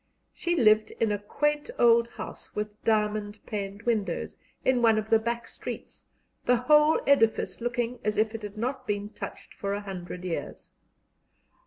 She lived in a quaint old house with diamond paned windows, in one of the back streets, the whole edifice looking as if it had not been touched for a hundred years.